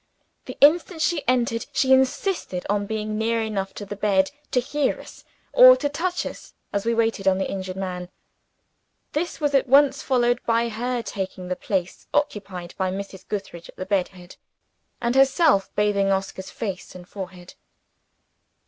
The instant she entered, she insisted on being near enough to the bed, to hear us, or to touch us, as we waited on the injured man. This was at once followed by her taking the place occupied by Mrs. Gootheridge at the bed head, and herself bathing Oscar's face and forehead.